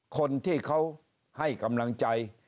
คนที่เขาให้กำลังใจ